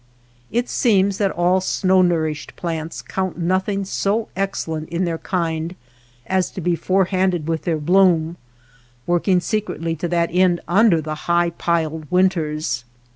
It seems that all snow nourished plants count nothing so excellent in their kind as to be forehanded with their bloom, work ing secretly to that end under the high piled winters.